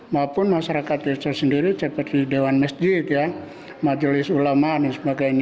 maupun masyarakat tersebut seperti dewan masjid majelis ulama dan sebagainya dan termasuk rtrw untuk memberikan satu pemahaman terhadap masyarakat ini